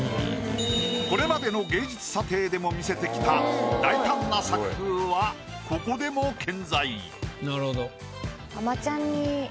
これまでの芸術査定でも見せてきた大胆な作風はここでも健在。